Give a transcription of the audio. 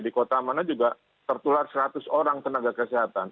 di kota mana juga tertular seratus orang tenaga kesehatan